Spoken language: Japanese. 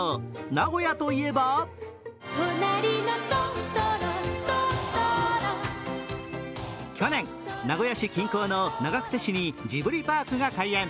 名古屋といえば去年、名古屋市近郊の長久手市にジブリパークが開園。